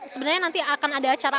sebenarnya nanti akan ada acara